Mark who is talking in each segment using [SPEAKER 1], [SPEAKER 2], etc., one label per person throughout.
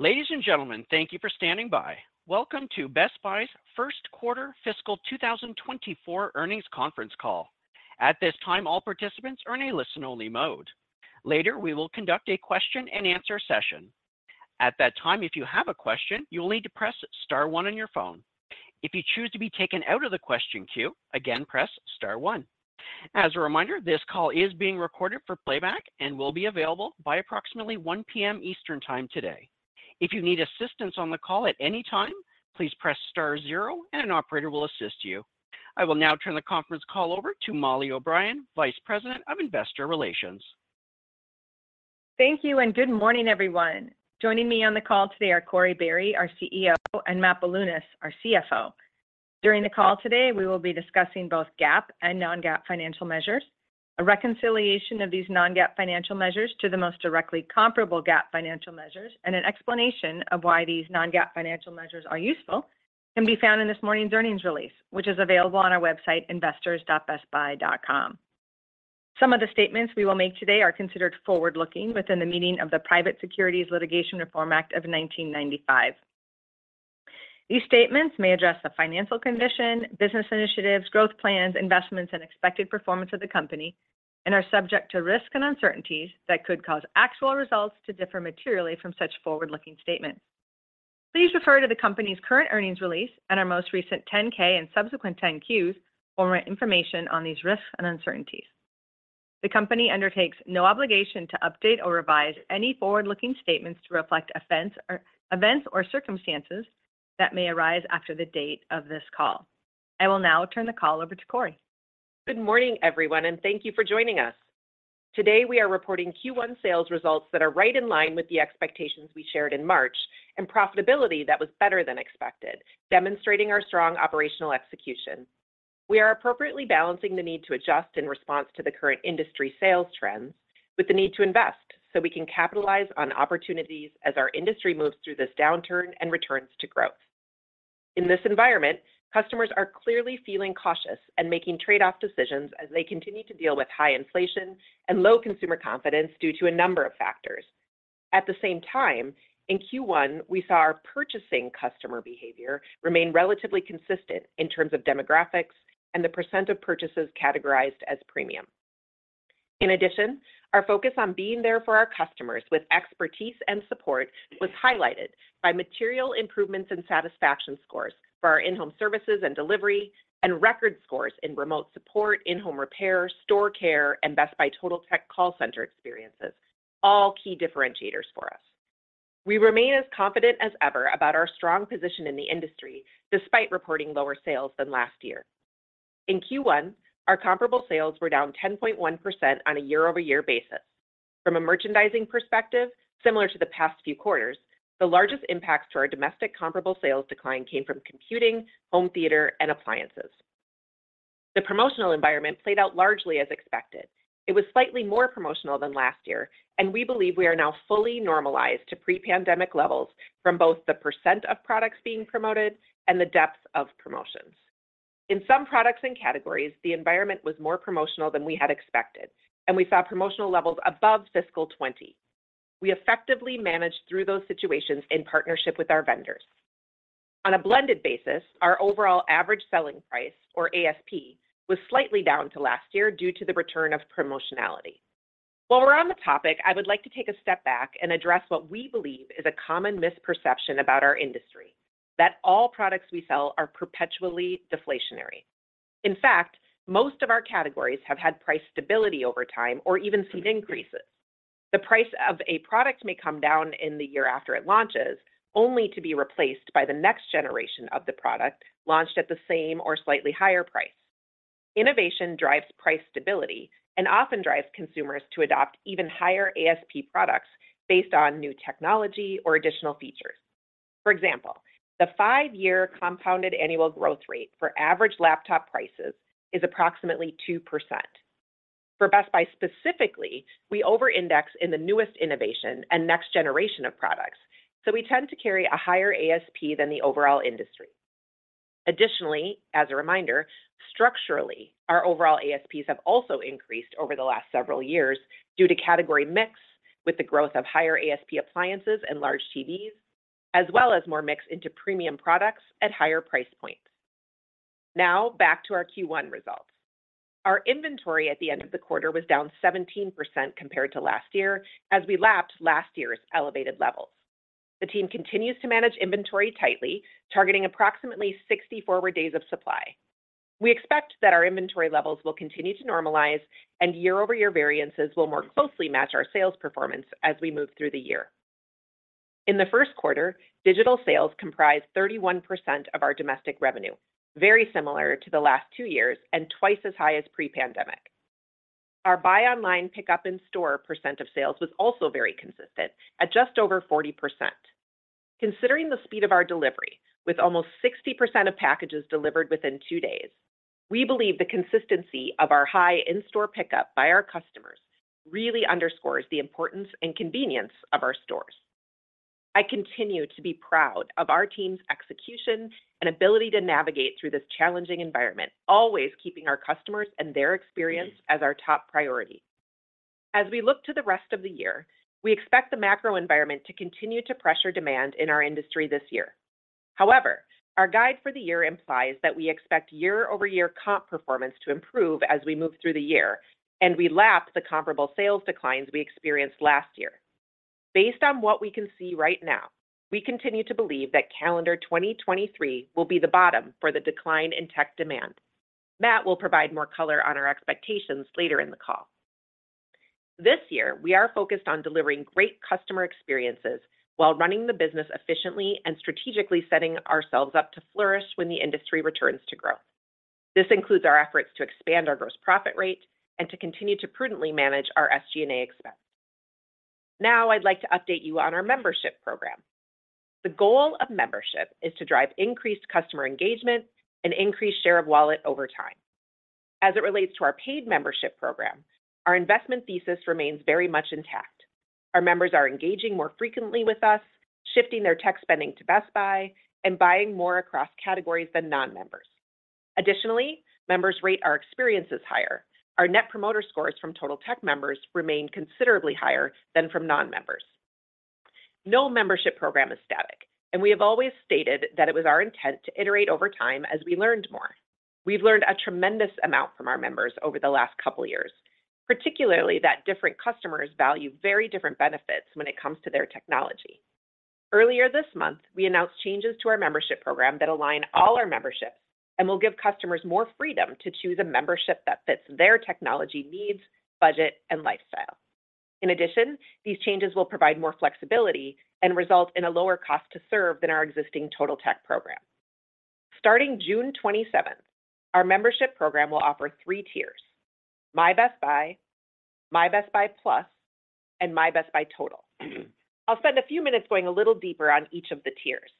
[SPEAKER 1] Ladies and gentlemen, thank you for standing by. Welcome to Best Buy's First Quarter Fiscal 2024 Earnings Conference Call. At this time, all participants are in a listen-only mode. Later, we will conduct a question-and-answer session. At that time, if you have a question, you will need to press star one on your phone. If you choose to be taken out of the question queue, again, press star one. As a reminder, this call is being recorded for playback and will be available by approximately 1:00 P.M. Eastern Time today. If you need assistance on the call at any time, please press star zero and an operator will assist you. I will now turn the conference call over to Mollie O'Brien, Vice President of Investor Relations.
[SPEAKER 2] Thank you, good morning, everyone. Joining me on the call today are Corie Barry, our CEO, and Matthew Bilunas, our CFO. During the call today, we will be discussing both GAAP and non-GAAP financial measures. A reconciliation of these non-GAAP financial measures to the most directly comparable GAAP financial measures, and an explanation of why these non-GAAP financial measures are useful, can be found in this morning's earnings release, which is available on our website, investors.bestbuy.com. Some of the statements we will make today are considered forward-looking within the meaning of the Private Securities Litigation Reform Act of 1995. These statements may address the financial condition, business initiatives, growth plans, investments, and expected performance of the company, and are subject to risks and uncertainties that could cause actual results to differ materially from such forward-looking statements. Please refer to the company's current earnings release and our most recent 10-K and subsequent 10-Qs for more information on these risks and uncertainties. The company undertakes no obligation to update or revise any forward-looking statements to reflect events or circumstances that may arise after the date of this call. I will now turn the call over to Corie.
[SPEAKER 3] Good morning, everyone. Thank you for joining us. Today, we are reporting Q1 sales results that are right in line with the expectations we shared in March, and profitability that was better than expected, demonstrating our strong operational execution. We are appropriately balancing the need to adjust in response to the current industry sales trends, with the need to invest, so we can capitalize on opportunities as our industry moves through this downturn and returns to growth. In this environment, customers are clearly feeling cautious and making trade-off decisions as they continue to deal with high inflation and low consumer confidence due to a number of factors. In Q1, we saw our purchasing customer behavior remain relatively consistent in terms of demographics and the percent of purchases categorized as premium. In addition, our focus on being there for our customers with expertise and support was highlighted by material improvements and satisfaction scores for our in-home services and delivery, and record scores in remote support, in-home repair, store care, and Best Buy Totaltech call center experiences, all key differentiators for us. We remain as confident as ever about our strong position in the industry, despite reporting lower sales than last year. In Q1, our comparable sales were down 10.1% on a year-over-year basis. From a merchandising perspective, similar to the past few quarters, the largest impacts to our domestic comparable sales decline came from computing, home theater, and appliances. The promotional environment played out largely as expected. It was slightly more promotional than last year, and we believe we are now fully normalized to pre-pandemic levels from both the % of products being promoted and the depth of promotions. In some products and categories, the environment was more promotional than we had expected, and we saw promotional levels above fiscal 2020. We effectively managed through those situations in partnership with our vendors. On a blended basis, our overall average selling price, or ASP, was slightly down to last year due to the return of promotionality. While we're on the topic, I would like to take a step back and address what we believe is a common misperception about our industry: that all products we sell are perpetually deflationary. In fact, most of our categories have had price stability over time or even seen increases. The price of a product may come down in the year after it launches, only to be replaced by the next generation of the product, launched at the same or slightly higher price. Innovation drives price stability and often drives consumers to adopt even higher ASP products based on new technology or additional features. For example, the five-year compounded annual growth rate for average laptop prices is approximately 2%. For Best Buy, specifically, we over-index in the newest innovation and next generation of products, so we tend to carry a higher ASP than the overall industry. Additionally, as a reminder, structurally, our overall ASPs have also increased over the last several years due to category mix with the growth of higher ASP appliances and large TVs, as well as more mix into premium products at higher price points. Back to our Q1 results. Our inventory at the end of the quarter was down 17% compared to last year, as we lapsed last year's elevated levels. The team continues to manage inventory tightly, targeting approximately 64 days of supply. We expect that our inventory levels will continue to normalize, and year-over-year variances will more closely match our sales performance as we move through the year. In the first quarter, digital sales comprised 31% of our domestic revenue, very similar to the last two years and twice as high as pre-pandemic. Our buy online, pickup in store % of sales was also very consistent at just over 40%. Considering the speed of our delivery, with almost 60% of packages delivered within two days, we believe the consistency of our high in-store pickup by our customers really underscores the importance and convenience of our stores. I continue to be proud of our team's execution and ability to navigate through this challenging environment, always keeping our customers and their experience as our top priority. As we look to the rest of the year, we expect the macro environment to continue to pressure demand in our industry this year. Our guide for the year implies that we expect year-over-year comp performance to improve as we move through the year, and we lap the comparable sales declines we experienced last year. Based on what we can see right now, we continue to believe that calendar 2023 will be the bottom for the decline in tech demand. Matt will provide more color on our expectations later in the call. This year, we are focused on delivering great customer experiences while running the business efficiently and strategically setting ourselves up to flourish when the industry returns to growth. This includes our efforts to expand our gross profit rate and to continue to prudently manage our SG&A expense. Now, I'd like to update you on our membership program. The goal of membership is to drive increased customer engagement and increase share of wallet over time. As it relates to our paid membership program, our investment thesis remains very much intact. Our members are engaging more frequently with us, shifting their tech spending to Best Buy, and buying more across categories than non-members. Additionally, members rate our experiences higher. Our net promoter scores from TotalTech members remain considerably higher than from non-members. No membership program is static, and we have always stated that it was our intent to iterate over time as we learned more. We've learned a tremendous amount from our members over the last couple of years, particularly that different customers value very different benefits when it comes to their technology. Earlier this month, we announced changes to our membership program that align all our memberships and will give customers more freedom to choose a membership that fits their technology needs, budget, and lifestyle. In addition, these changes will provide more flexibility and result in a lower cost to serve than our existing Totaltech program. Starting June 27th, our membership program will offer three tiers: My Best Buy, My Best Buy Plus, and My Best Buy Total. I'll spend a few minutes going a little deeper on each of the tiers.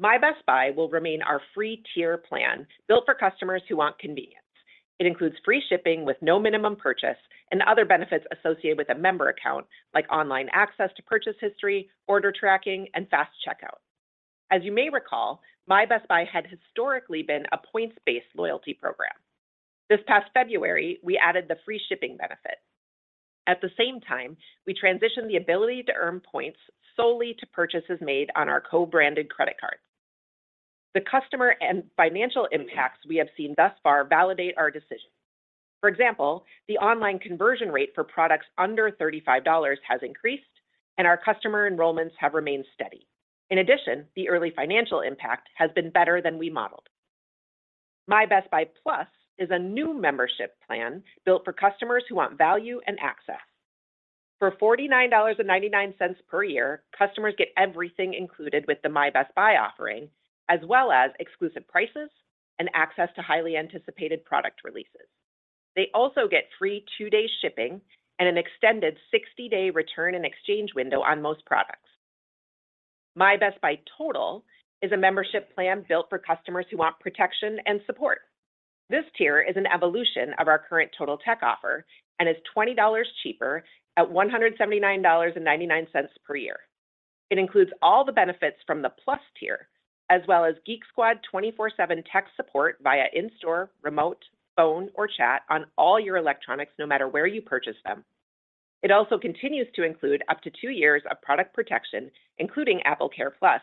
[SPEAKER 3] My Best Buy will remain our free tier plan, built for customers who want convenience. It includes free shipping with no minimum purchase and other benefits associated with a member account, like online access to purchase history, order tracking, and fast checkout. As you may recall, My Best Buy had historically been a points-based loyalty program. This past February, we added the free shipping benefit. At the same time, we transitioned the ability to earn points solely to purchases made on our co-branded credit card. The customer and financial impacts we have seen thus far validate our decision. For example, the online conversion rate for products under $35 has increased, and our customer enrollments have remained steady. In addition, the early financial impact has been better than we modeled. My Best Buy Plus is a new membership plan built for customers who want value and access. For $49.99 per year, customers get everything included with the My Best Buy offering, as well as exclusive prices and access to highly anticipated product releases. They also get free two-day shipping and an extended 60-day return and exchange window on most products. My Best Buy Total is a membership plan built for customers who want protection and support. This tier is an evolution of our current Totaltech offer and is $20 cheaper at $179.99 per year. It includes all the benefits from the Plus tier, as well as Geek Squad 24/7 tech support via in-store, remote, phone, or chat on all your electronics, no matter where you purchase them. It also continues to include up to two years of product protection, including AppleCare+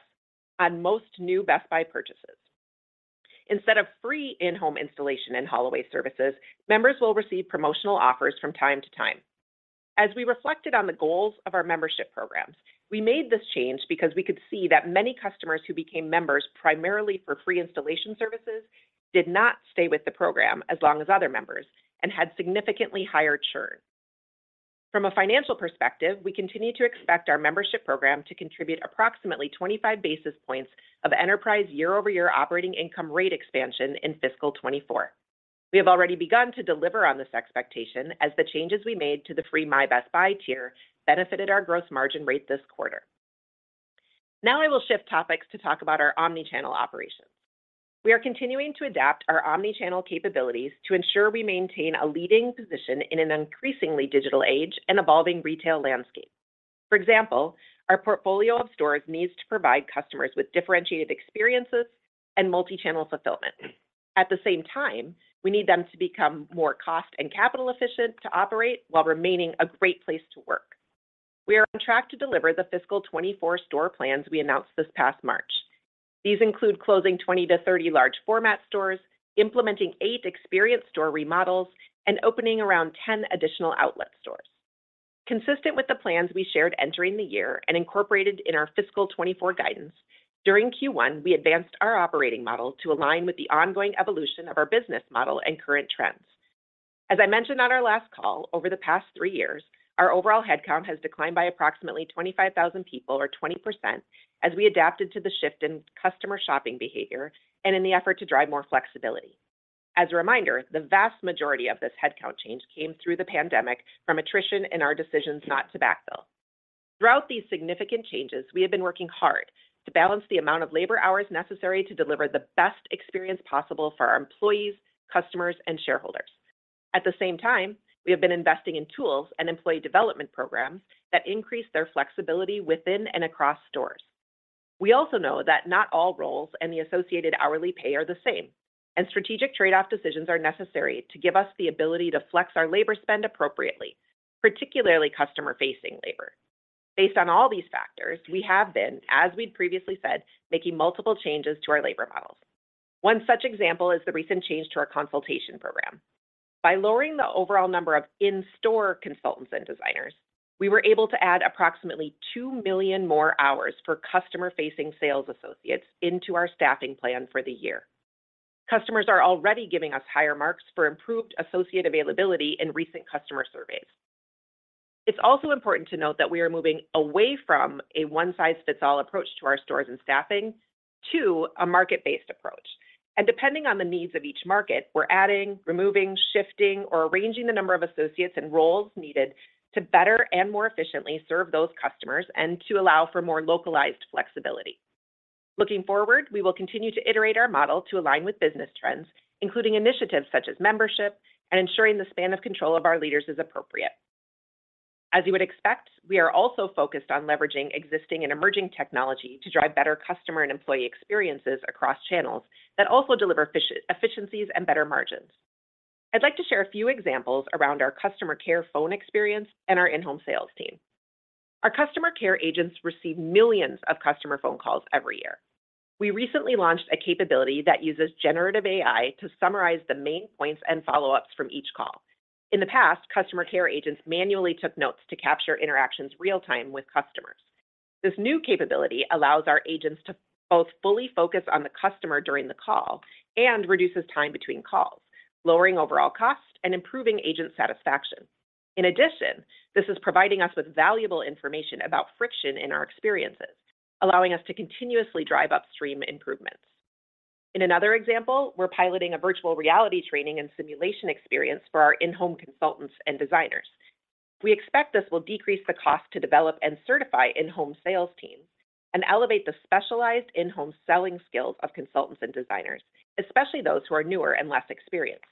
[SPEAKER 3] on most new Best Buy purchases. Instead of free in-home installation and haul away services, members will receive promotional offers from time to time. As we reflected on the goals of our membership programs, we made this change because we could see that many customers who became members primarily for free installation services did not stay with the program as long as other members and had significantly higher churn. From a financial perspective, we continue to expect our membership program to contribute approximately 25 basis points of enterprise year-over-year operating income rate expansion in fiscal 2024. We have already begun to deliver on this expectation as the changes we made to the free My Best Buy tier benefited our gross margin rate this quarter. Now I will shift topics to talk about our omnichannel operations. We are continuing to adapt our omnichannel capabilities to ensure we maintain a leading position in an increasingly digital age and evolving retail landscape. For example, our portfolio of stores needs to provide customers with differentiated experiences and multi-channel fulfillment. At the same time, we need them to become more cost and capital efficient to operate while remaining a great place to work. We are on track to deliver the fiscal 2024 store plans we announced this past March. These include closing 20-30 large format stores, implementing eight experience store remodels, and opening around ten additional outlet stores. Consistent with the plans we shared entering the year and incorporated in our fiscal 2024 guidance, during Q1, we advanced our operating model to align with the ongoing evolution of our business model and current trends. As I mentioned on our last call, over the past three years, our overall headcount has declined by approximately 25,000 people or 20%, as we adapted to the shift in customer shopping behavior and in the effort to drive more flexibility. As a reminder, the vast majority of this headcount change came through the pandemic from attrition and our decisions not to backfill. Throughout these significant changes, we have been working hard to balance the amount of labor hours necessary to deliver the best experience possible for our employees, customers, and shareholders. At the same time, we have been investing in tools and employee development programs that increase their flexibility within and across stores. We also know that not all roles and the associated hourly pay are the same, strategic trade-off decisions are necessary to give us the ability to flex our labor spend appropriately, particularly customer-facing labor. Based on all these factors, we have been, as we'd previously said, making multiple changes to our labor models. One such example is the recent change to our consultation program. By lowering the overall number of in-store consultants and designers, we were able to add approximately 2 million more hours for customer-facing sales associates into our staffing plan for the year. Customers are already giving us higher marks for improved associate availability in recent customer surveys. It's also important to note that we are moving away from a one-size-fits-all approach to our stores and staffing to a market-based approach, and depending on the needs of each market, we're adding, removing, shifting, or arranging the number of associates and roles needed to better and more efficiently serve those customers and to allow for more localized flexibility. Looking forward, we will continue to iterate our model to align with business trends, including initiatives such as membership and ensuring the span of control of our leaders is appropriate. As you would expect, we are also focused on leveraging existing and emerging technology to drive better customer and employee experiences across channels that also deliver efficiencies and better margins. I'd like to share a few examples around our customer care phone experience and our in-home sales team. Our customer care agents receive millions of customer phone calls every year. We recently launched a capability that uses generative AI to summarize the main points and follow-ups from each call. In the past, customer care agents manually took notes to capture interactions real time with customers. This new capability allows our agents to both fully focus on the customer during the call and reduces time between calls, lowering overall cost and improving agent satisfaction. In addition, this is providing us with valuable information about friction in our experiences, allowing us to continuously drive upstream improvements. In another example, we're piloting a virtual reality training and simulation experience for our in-home consultants and designers. We expect this will decrease the cost to develop and certify in-home sales teams and elevate the specialized in-home selling skills of consultants and designers, especially those who are newer and less experienced.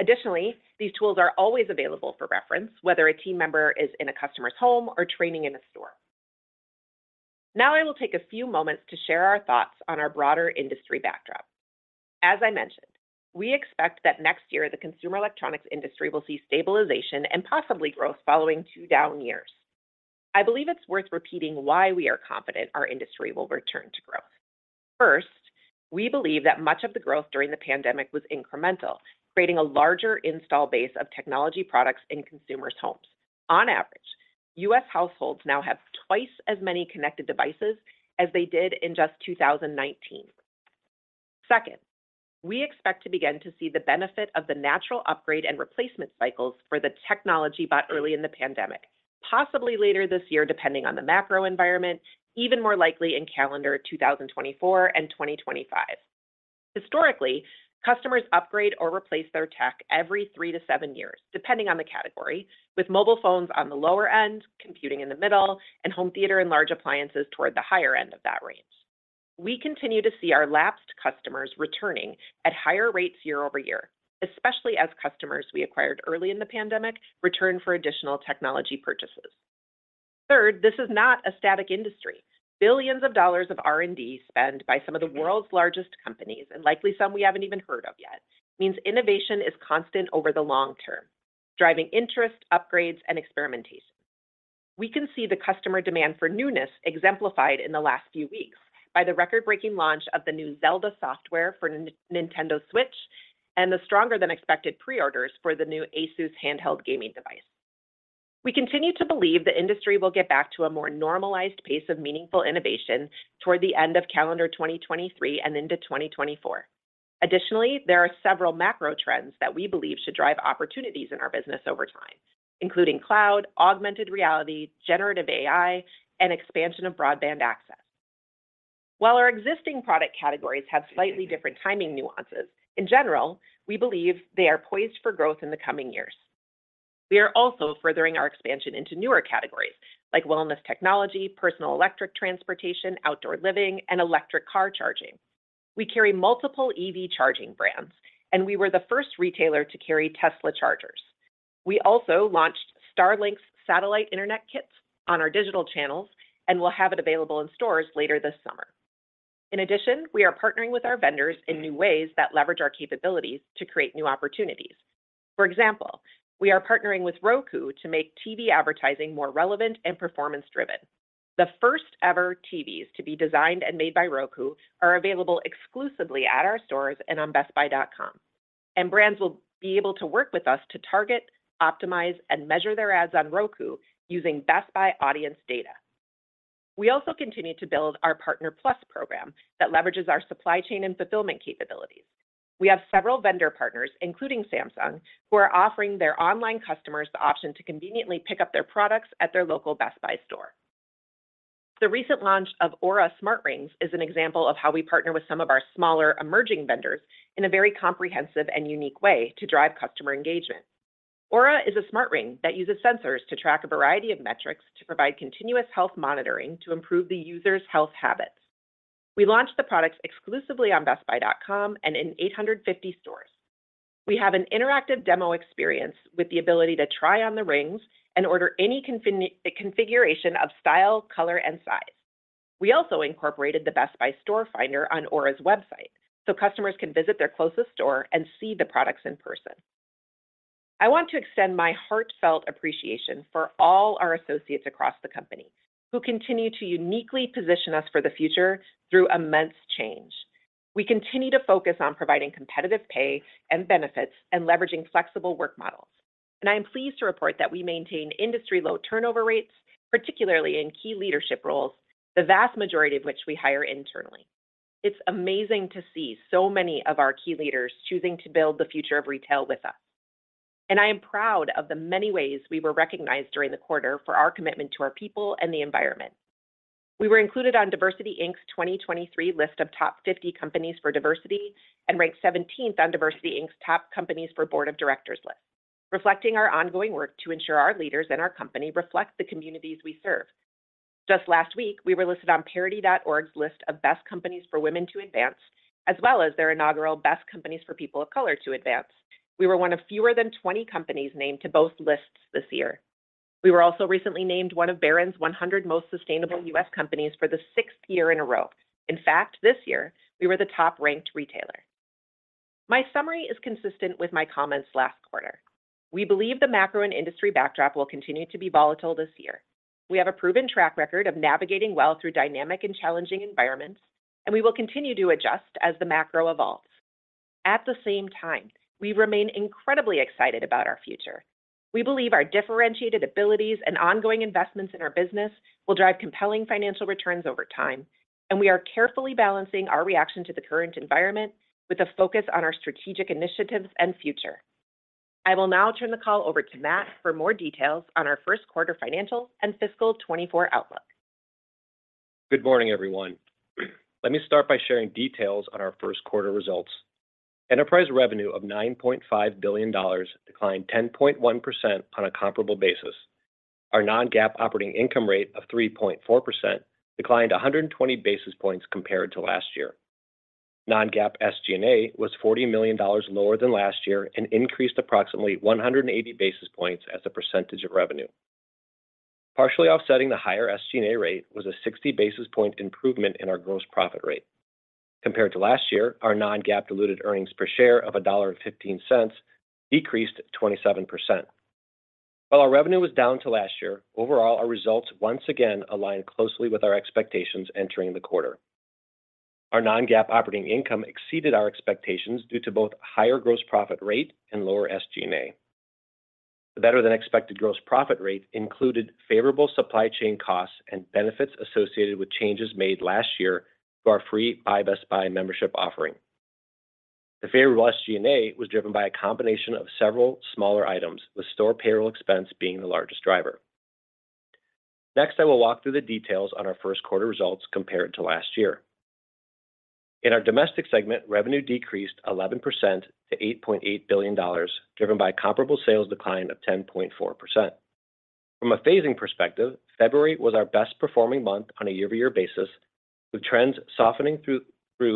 [SPEAKER 3] Additionally, these tools are always available for reference, whether a team member is in a customer's home or training in a store. I will take a few moments to share our thoughts on our broader industry backdrop. As I mentioned, we expect that next year, the consumer electronics industry will see stabilization and possibly growth following two down years. I believe it's worth repeating why we are confident our industry will return to growth. First, we believe that much of the growth during the pandemic was incremental, creating a larger install base of technology products in consumers' homes. On average, U.S. households now have twice as many connected devices as they did in just 2019. Second, we expect to begin to see the benefit of the natural upgrade and replacement cycles for the technology bought early in the pandemic, possibly later this year, depending on the macro environment, even more likely in calendar 2024 and 2025. Historically, customers upgrade or replace their tech every 3-7 years, depending on the category, with mobile phones on the lower end, computing in the middle, and home theater and large appliances toward the higher end of that range. We continue to see our lapsed customers returning at higher rates year-over-year, especially as customers we acquired early in the pandemic return for additional technology purchases. Third, this is not a static industry. Billions of dollars of R&D spend by some of the world's largest companies, and likely some we haven't even heard of yet, means innovation is constant over the long-term, driving interest, upgrades, and experimentation. We can see the customer demand for newness exemplified in the last few weeks by the record-breaking launch of the new Zelda software for Nintendo Switch and the stronger than expected preorders for the new ASUS handheld gaming device. Additionally, there are several macro trends that we believe should drive opportunities in our business over time, including cloud, augmented reality, generative AI, and expansion of broadband access. We continue to believe the industry will get back to a more normalized pace of meaningful innovation toward the end of calendar 2023 and into 2024. While our existing product categories have slightly different timing nuances, in general, we believe they are poised for growth in the coming years. We are also furthering our expansion into newer categories like wellness technology, personal electric transportation, outdoor living, and electric car charging. We carry multiple EV charging brands, and we were the first retailer to carry Tesla chargers. We also launched Starlink's satellite internet kits on our digital channels and will have it available in stores later this summer. In addition, we are partnering with our vendors in new ways that leverage our capabilities to create new opportunities. For example, we are partnering with Roku to make TV advertising more relevant and performance-driven. The first-ever TVs to be designed and made by Roku are available exclusively at our stores and on bestbuy.com, and brands will be able to work with us to target, optimize, and measure their ads on Roku using Best Buy audience data. We also continue to build our Partner+ program that leverages our supply chain and fulfillment capabilities. We have several vendor partners, including Samsung, who are offering their online customers the option to conveniently pick up their products at their local Best Buy store. The recent launch of Oura smart rings is an example of how we partner with some of our smaller, emerging vendors in a very comprehensive and unique way to drive customer engagement. Oura is a smart ring that uses sensors to track a variety of metrics to provide continuous health monitoring to improve the user's health habits. We launched the products exclusively on bestbuy.com and in 850 stores. We have an interactive demo experience with the ability to try on the rings and order any configuration of style, color, and size. We also incorporated the Best Buy Store Finder on Oura's website, so customers can visit their closest store and see the products in person. I want to extend my heartfelt appreciation for all our associates across the company, who continue to uniquely position us for the future through immense change. We continue to focus on providing competitive pay and benefits, and leveraging flexible work models. I am pleased to report that we maintain industry-low turnover rates, particularly in key leadership roles, the vast majority of which we hire internally. It's amazing to see so many of our key leaders choosing to build the future of retail with us. I am proud of the many ways we were recognized during the quarter for our commitment to our people and the environment. We were included on DiversityInc's 2023 list of Top 50 Companies for Diversity, and ranked 17th on DiversityInc's Top Companies for Board of Directors list, reflecting our ongoing work to ensure our leaders and our company reflect the communities we serve. Just last week, we were listed on Parity.Org's list of Best Companies for Women to Advance, as well as their inaugural Best Companies for People of Color to Advance. We were one of fewer than 20 companies named to both lists this year. We were also recently named one of Barron's 100 most sustainable U.S. companies for the 6th year in a row. In fact, this year we were the top-ranked retailer. My summary is consistent with my comments last quarter. We believe the macro and industry backdrop will continue to be volatile this year. We have a proven track record of navigating well through dynamic and challenging environments, and we will continue to adjust as the macro evolves. At the same time, we remain incredibly excited about our future. We believe our differentiated abilities and ongoing investments in our business will drive compelling financial returns over time, and we are carefully balancing our reaction to the current environment with a focus on our strategic initiatives and future. I will now turn the call over to Matt for more details on our first quarter financials and fiscal 2024 outlook.
[SPEAKER 4] Good morning, everyone. Let me start by sharing details on our first quarter results. Enterprise revenue of $9.5 billion declined 10.1% on a comparable basis. Our non-GAAP operating income rate of 3.4% declined 120 basis points compared to last year. non-GAAP SG&A was $40 million lower than last year and increased approximately 180 basis points as a percentage of revenue. Partially offsetting the higher SG&A rate was a 60 basis point improvement in our gross profit rate. Compared to last year, our non-GAAP diluted earnings per share of $1.15 decreased 27%. While our revenue was down to last year, overall, our results once again aligned closely with our expectations entering the quarter. Our non-GAAP operating income exceeded our expectations due to both higher gross profit rate and lower SG&A. The better-than-expected gross profit rate included favorable supply chain costs and benefits associated with changes made last year to our free My Best Buy membership offering. The favorable SG&A was driven by a combination of several smaller items, with store payroll expense being the largest driver. Next, I will walk through the details on our first quarter results compared to last year. In our domestic segment, revenue decreased 11% to $8.8 billion, driven by a comparable sales decline of 10.4%. From a phasing perspective, February was our best-performing month on a year-over-year basis, with trends softening through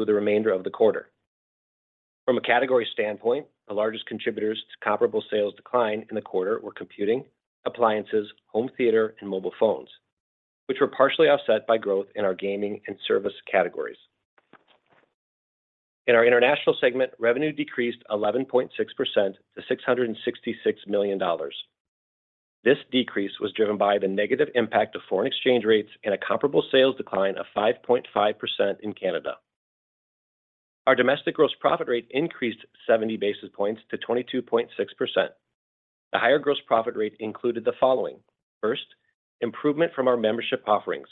[SPEAKER 4] the remainder of the quarter. From a category standpoint, the largest contributors to comparable sales decline in the quarter were computing, appliances, home theater, and mobile phones, which were partially offset by growth in our gaming and service categories. In our international segment, revenue decreased 11.6% to $666 million. This decrease was driven by the negative impact of foreign exchange rates and a comparable sales decline of 5.5% in Canada. Our domestic gross profit rate increased 70 basis points to 22.6%. The higher gross profit rate included the following: First, improvement from our membership offerings.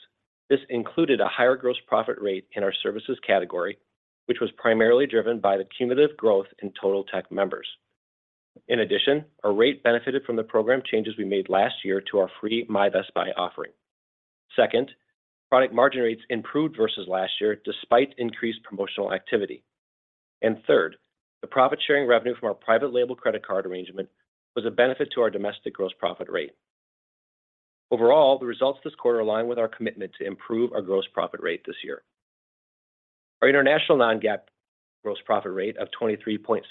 [SPEAKER 4] This included a higher gross profit rate in our services category, which was primarily driven by the cumulative growth in Totaltech members. In addition, our rate benefited from the program changes we made last year to our free My Best Buy offering. Second, product margin rates improved versus last year, despite increased promotional activity. Third, the profit-sharing revenue from our private label credit card arrangement was a benefit to our domestic gross profit rate. Overall, the results this quarter align with our commitment to improve our gross profit rate this year. Our international non-GAAP gross profit rate of 23.7%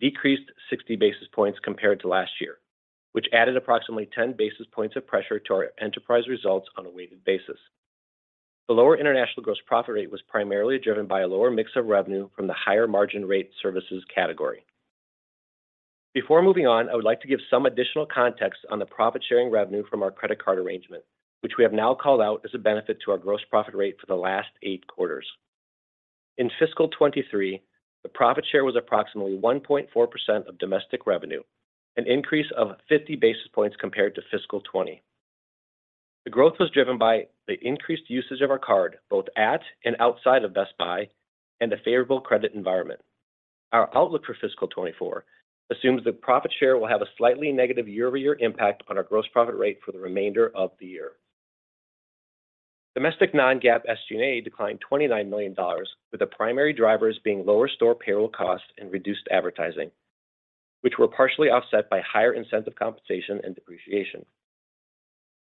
[SPEAKER 4] decreased 60 basis points compared to last year, which added approximately 10 basis points of pressure to our enterprise results on a weighted basis. The lower international gross profit rate was primarily driven by a lower mix of revenue from the higher margin rate services category. Before moving on, I would like to give some additional context on the profit-sharing revenue from our credit card arrangement, which we have now called out as a benefit to our gross profit rate for the last eight quarters. In fiscal 2023, the profit share was approximately 1.4% of domestic revenue, an increase of 50 basis points compared to fiscal 2020. The growth was driven by the increased usage of our card, both at and outside of Best Buy, and a favorable credit environment. Our outlook for fiscal 2024 assumes the profit share will have a slightly negative year-over-year impact on our gross profit rate for the remainder of the year. Domestic non-GAAP SG&A declined $29 million, with the primary drivers being lower store payroll costs and reduced advertising, which were partially offset by higher incentive compensation and depreciation.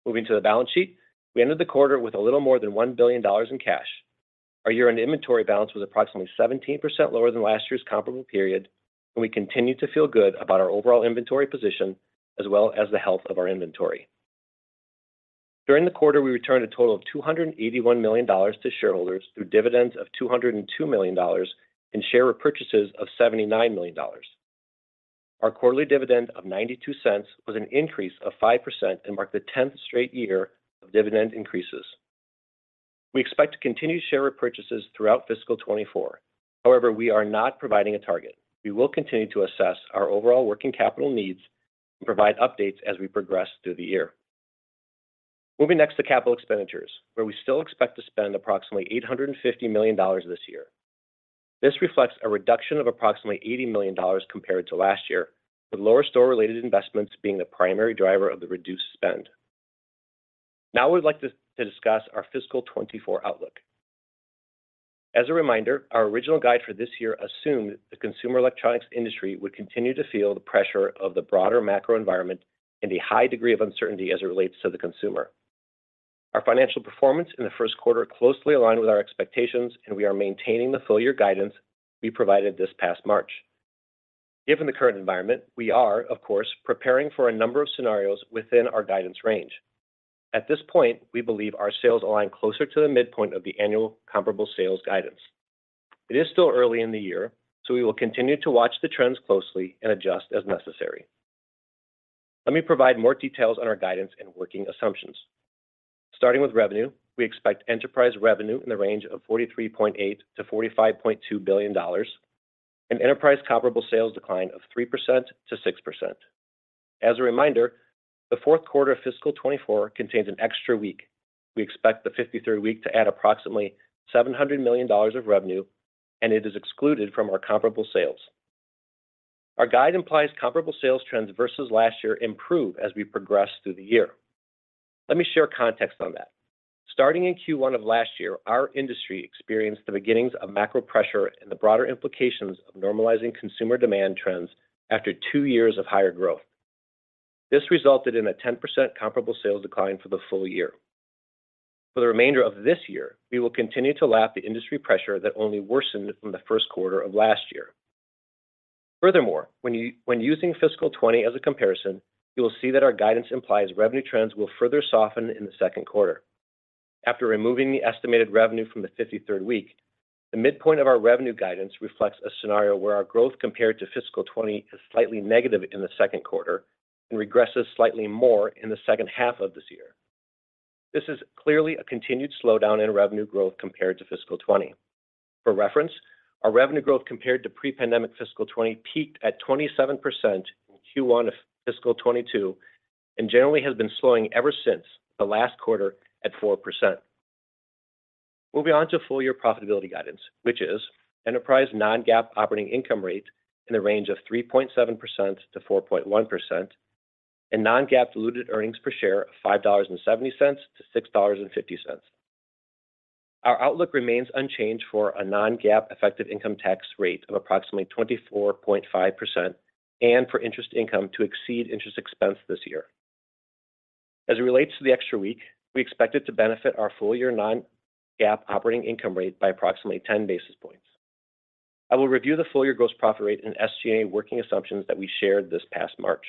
[SPEAKER 4] Moving to the balance sheet, we ended the quarter with a little more than $1 billion in cash. Our year-end inventory balance was approximately 17% lower than last year's comparable period, and we continue to feel good about our overall inventory position, as well as the health of our inventory. During the quarter, we returned a total of $281 million to shareholders through dividends of $202 million and share repurchases of $79 million. Our quarterly dividend of $0.92 was an increase of 5% and marked the 10th straight year of dividend increases. We expect to continue share repurchases throughout fiscal 2024. However, we are not providing a target. We will continue to assess our overall working capital needs and provide updates as we progress through the year. Moving next to capital expenditures, where we still expect to spend approximately $850 million this year. This reflects a reduction of approximately $80 million compared to last year, with lower store-related investments being the primary driver of the reduced spend. Now, I would like to discuss our fiscal 2024 outlook. As a reminder, our original guide for this year assumed the consumer electronics industry would continue to feel the pressure of the broader macro environment and a high degree of uncertainty as it relates to the consumer. Our financial performance in the first quarter closely aligned with our expectations, and we are maintaining the full year guidance we provided this past March. Given the current environment, we are, of course, preparing for a number of scenarios within our guidance range. At this point, we believe our sales align closer to the midpoint of the annual comparable sales guidance. It is still early in the year. We will continue to watch the trends closely and adjust as necessary. Let me provide more details on our guidance and working assumptions. Starting with revenue, we expect enterprise revenue in the range of $43.8 billion-$45.2 billion, an enterprise comparable sales decline of 3%-6%. As a reminder, the fourth quarter of fiscal 2024 contains an extra week. We expect the 53rd week to add approximately $700 million of revenue, and it is excluded from our comparable sales. Our guide implies comparable sales trends versus last year improve as we progress through the year. Let me share context on that. Starting in Q1 of last year, our industry experienced the beginnings of macro pressure and the broader implications of normalizing consumer demand trends after two years of higher growth. This resulted in a 10% comparable sales decline for the full year. For the remainder of this year, we will continue to lap the industry pressure that only worsened in the 1st quarter of last year. When using fiscal 2020 as a comparison, you will see that our guidance implies revenue trends will further soften in the 2nd quarter. After removing the estimated revenue from the 53rd week, the midpoint of our revenue guidance reflects a scenario where our growth compared to fiscal 2020 is slightly negative in the 2nd quarter and regresses slightly more in the 2nd half of this year. This is clearly a continued slowdown in revenue growth compared to fiscal 2020. For reference, our revenue growth compared to pre-pandemic fiscal 2020 peaked at 27% in Q1 of fiscal 2022 and generally has been slowing ever since the last quarter at 4%. Moving on to full-year profitability guidance, which is enterprise non-GAAP operating income rate in the range of 3.7%-4.1% and non-GAAP diluted earnings per share of $5.70-$6.50. Our outlook remains unchanged for a non-GAAP effective income tax rate of approximately 24.5% and for interest income to exceed interest expense this year. As it relates to the extra week, we expect it to benefit our full-year non-GAAP operating income rate by approximately 10 basis points. I will review the full-year gross profit rate and SG&A working assumptions that we shared this past March.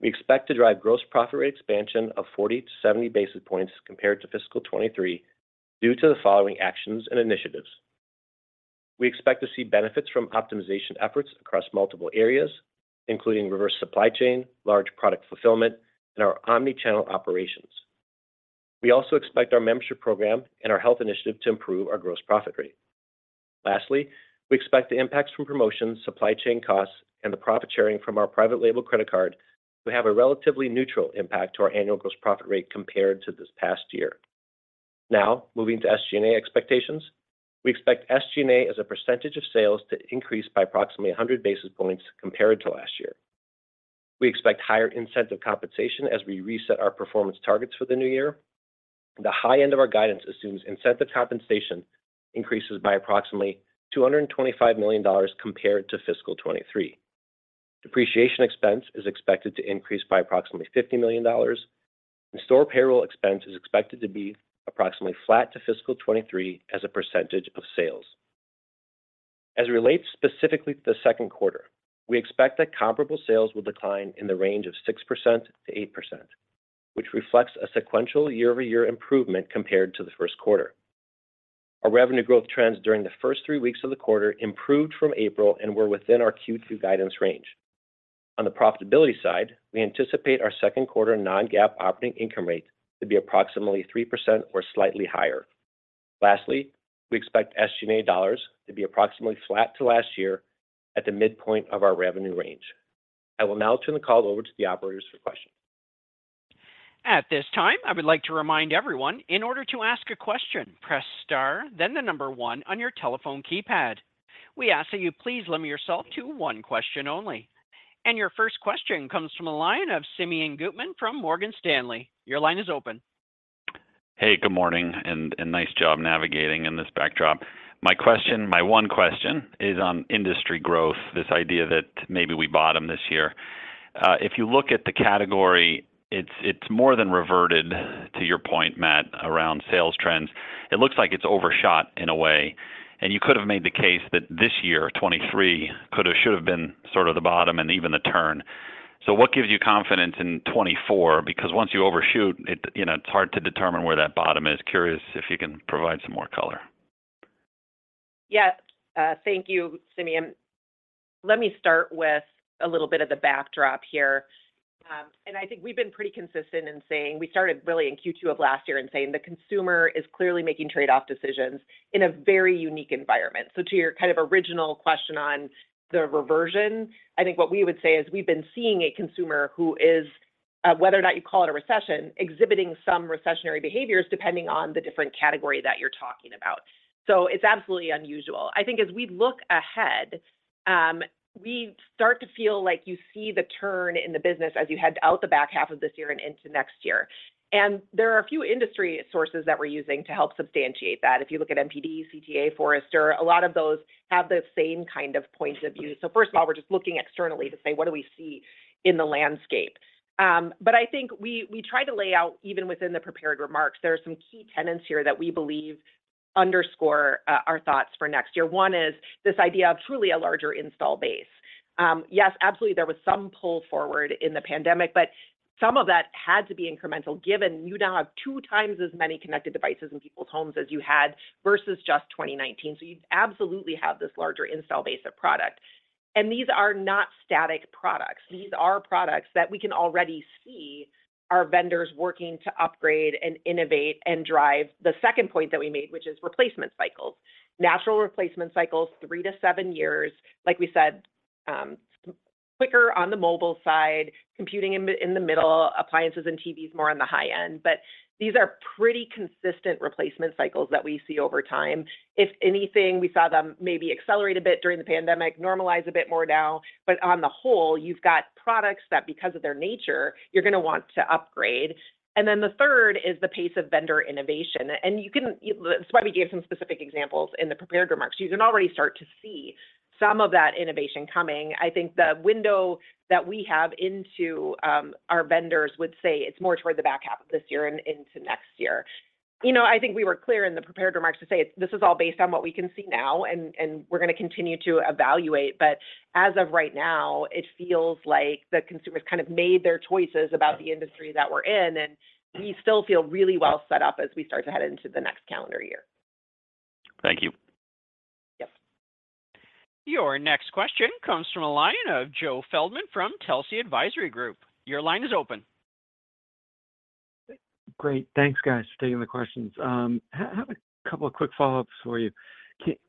[SPEAKER 4] We expect to drive gross profit rate expansion of 40-70 basis points compared to fiscal 2023 due to the following actions and initiatives. We expect to see benefits from optimization efforts across multiple areas, including reverse supply chain, large product fulfillment, and our omni-channel operations. We also expect our membership program and our health initiative to improve our gross profit rate. Lastly, we expect the impacts from promotions, supply chain costs, and the profit sharing from our private label credit card to have a relatively neutral impact to our annual gross profit rate compared to this past year. Now, moving to SG&A expectations. We expect SG&A as a percentage of sales to increase by approximately 100 basis points compared to last year. We expect higher incentive compensation as we reset our performance targets for the new year. The high end of our guidance assumes incentive compensation increases by approximately $225 million compared to fiscal 2023. Depreciation expense is expected to increase by approximately $50 million. Store payroll expense is expected to be approximately flat to fiscal 2023 as a percentage of sales. As it relates specifically to the second quarter, we expect that comparable sales will decline in the range of 6%-8%, which reflects a sequential year-over-year improvement compared to the first quarter. Our revenue growth trends during the first three weeks of the quarter improved from April and were within our Q2 guidance range. On the profitability side, we anticipate our second quarter non-GAAP operating income rate to be approximately 3% or slightly higher. Lastly, we expect SG&A dollars to be approximately flat to last year at the midpoint of our revenue range. I will now turn the call over to the operators for questions.
[SPEAKER 1] At this time, I would like to remind everyone in order to ask a question, press Star, then the number one on your telephone keypad. We ask that you please limit yourself to one question only. Your first question comes from the line of Simeon Gutman from Morgan Stanley. Your line is open.
[SPEAKER 5] Hey, good morning, and nice job navigating in this backdrop. My question, my one question, is on industry growth, this idea that maybe we bottomed this year. If you look at the category, it's more than reverted, to your point, Matt, around sales trends. It looks like it's overshot in a way. You could have made the case that this year, 2023, could have, should have been sort of the bottom and even the turn. What gives you confidence in 2024? Because once you overshoot it, you know, it's hard to determine where that bottom is. Curious if you can provide some more color.
[SPEAKER 3] Yes. Thank you, Simeon. Let me start with a little bit of the backdrop here. I think we've been pretty consistent in saying. We started really in Q2 of last year in saying the consumer is clearly making trade-off decisions in a very unique environment. To your kind of original question on the reversion, I think what we would say is, we've been seeing a consumer who is, whether or not you call it a recession, exhibiting some recessionary behaviors, depending on the different category that you're talking about. It's absolutely unusual. I think as we look ahead, we start to feel like you see the turn in the business as you head out the back half of this year and into next year. There are a few industry sources that we're using to help substantiate that. If you look at NPD, CTA, Forrester, a lot of those have the same kind of point of view. First of all, we're just looking externally to say, "What do we see in the landscape?" I think we tried to lay out, even within the prepared remarks, there are some key tenets here that we believe underscore our thoughts for next year. One is this idea of truly a larger install base. Yes, absolutely, there was some pull forward in the pandemic, some of that had to be incremental, given you now have 2x as many connected devices in people's homes as you had, versus just 2019. You absolutely have this larger install base of product, and these are not static products. These are products that we can already see our vendors working to upgrade and innovate and drive the second point that we made, which is replacement cycles. Natural replacement cycles, 3-7 years. Like we said, quicker on the mobile side, computing in the middle, appliances and TVs more on the high end. These are pretty consistent replacement cycles that we see over time. If anything, we saw them maybe accelerate a bit during the pandemic, normalize a bit more now, but on the whole, you've got products that, because of their nature, you're gonna want to upgrade. The third is the pace of vendor innovation. That's why we gave some specific examples in the prepared remarks. You can already start to see some of that innovation coming. I think the window that we have into our vendors would say it's more toward the back half of this year and into next year. You know, I think we were clear in the prepared remarks to say, this is all based on what we can see now, and we're going to continue to evaluate, but as of right now, it feels like the consumers kind of made their choices about the industry that we're in, and we still feel really well set up as we start to head into the next calendar year.
[SPEAKER 5] Thank you.
[SPEAKER 3] Yep.
[SPEAKER 1] Your next question comes from a line of Joe Feldman from Telsey Advisory Group. Your line is open.
[SPEAKER 6] Great. Thanks, guys, for taking the questions. I have a couple of quick follow-ups for you.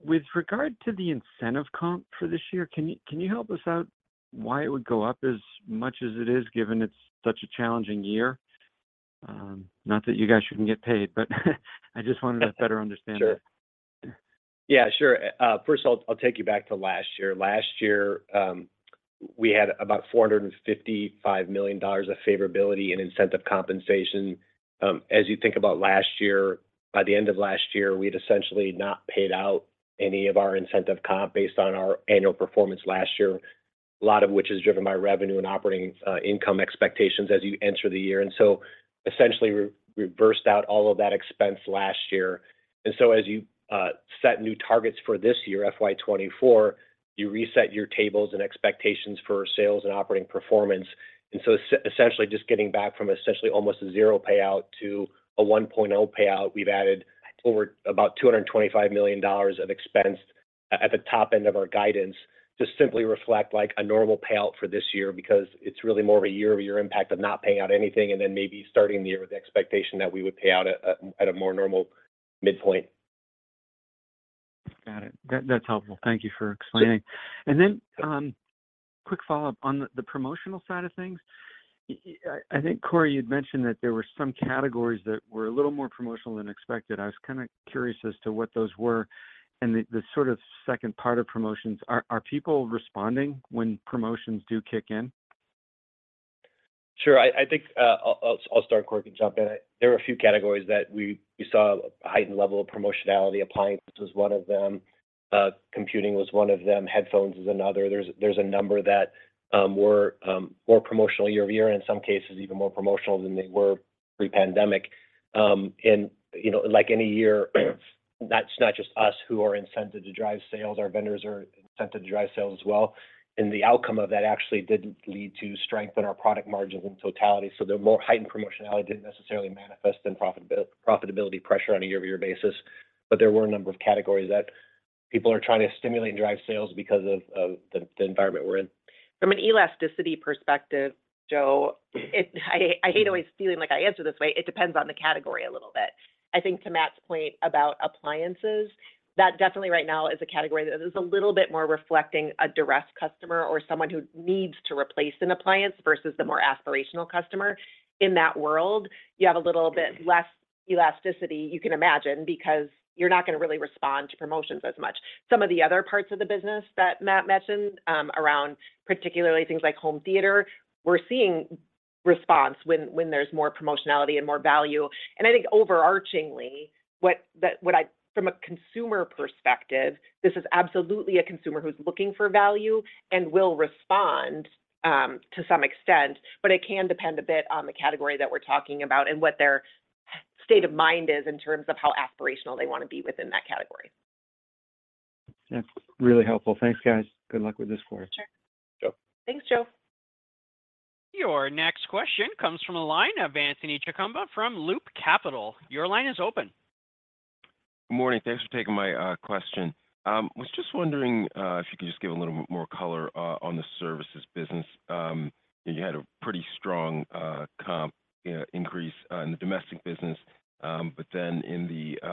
[SPEAKER 6] With regard to the incentive comp for this year, can you help us out why it would go up as much as it is, given it's such a challenging year? Not that you guys shouldn't get paid, I just wanted to better understand that.
[SPEAKER 4] Sure. Yeah, sure. First, I'll take you back to last year. Last year, we had about $455 million of favorability in incentive compensation. As you think about last year, by the end of last year, we had essentially not paid out any of our incentive comp based on our annual performance last year, a lot of which is driven by revenue and operating income expectations as you enter the year. Essentially, re-reversed out all of that expense last year. As you set new targets for this year, FY2024, you reset your tables and expectations for sales and operating performance. Essentially, just getting back from essentially almost a zero payout to a 1.0 payout, we've added over about $225 million of expense at the top end of our guidance to simply reflect, like, a normal payout for this year, because it's really more of a year-over-year impact of not paying out anything and then maybe starting the year with the expectation that we would pay out at a more normal midpoint.
[SPEAKER 6] Got it. That's helpful. Thank you for explaining.
[SPEAKER 4] Sure.
[SPEAKER 6] Quick follow-up on the promotional side of things. I think, Corie, you'd mentioned that there were some categories that were a little more promotional than expected. I was kind of curious as to what those were and the sort of second part of promotions. Are people responding when promotions do kick in?
[SPEAKER 4] Sure. I think, I'll start, Corie, can jump in. There were a few categories that we saw a heightened level of promotionality. Appliances was one of them, computing was one of them, headphones is another. There's a number that were more promotional year-over-year, and in some cases, even more promotional than they were pre-pandemic. And, you know, like any year, that's not just us who are incented to drive sales, our vendors are incented to drive sales as well. The outcome of that actually did lead to strengthen our product margins in totality, so the more heightened promotionality didn't necessarily manifest in profitability pressure on a year-over-year basis. There were a number of categories that people are trying to stimulate and drive sales because of the environment we're in.
[SPEAKER 3] From an elasticity perspective, Joe, I hate always feeling like I answer this way: it depends on the category a little bit. I think to Matt's point about appliances, that definitely right now is a category that is a little bit more reflecting a duress customer or someone who needs to replace an appliance versus the more aspirational customer. In that world, you have a little bit less elasticity, you can imagine, because you're not gonna really respond to promotions as much. Some of the other parts of the business that Matt mentioned, around particularly things like home theater, we're seeing response when there's more promotionality and more value. I think overarchingly, what I, from a consumer perspective, this is absolutely a consumer who's looking for value and will respond to some extent, but it can depend a bit on the category that we're talking about and what their state of mind is in terms of how aspirational they wanna be within that category.
[SPEAKER 7] That's really helpful. Thanks, guys. Good luck with this quarter.
[SPEAKER 3] Sure.
[SPEAKER 4] Joe.
[SPEAKER 3] Thanks, Joe.
[SPEAKER 1] Your next question comes from the line of Anthony Chukumba from Loop Capital. Your line is open.
[SPEAKER 8] Good morning. Thanks for taking my question. Was just wondering if you could just give a little more color on the services business. You had a pretty strong comp, you know, increase in the domestic business, but then in the